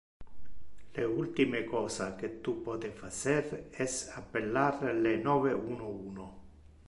Le ultime cosa que tu pote facer es appellar le nove-uno-uno.